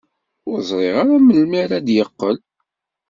Ur ẓriɣ ara melmi ara d-yeqqel.